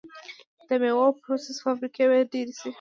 د میوو پروسس فابریکې باید ډیرې شي.